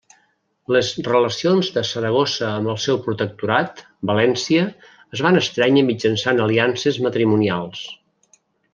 Les relacions de Saragossa amb el seu protectorat, València, es van estrènyer mitjançant aliances matrimonials.